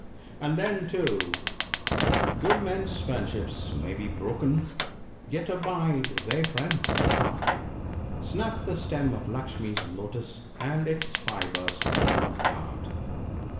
" And then, too, ''* Good men's friendships may be broken, yet abide they friends at heart ; Snap the stem of Luxmee's lotus, and its fibres will not part.